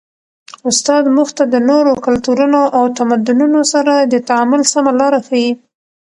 استاد موږ ته د نورو کلتورونو او تمدنونو سره د تعامل سمه لاره ښيي.